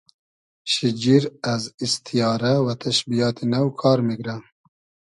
شیجیر از ایستیارۂ و تئشبیات نۆ کار میگرۂ